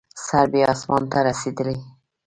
سر یې اسمان ته رسېدلی.